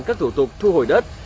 các thủ tục thu hồi đất